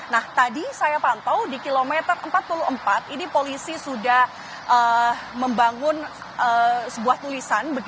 nah tadi saya pantau di kilometer empat puluh empat ini polisi sudah membangun sebuah tulisan